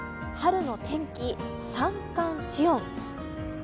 春の天気、三寒四温。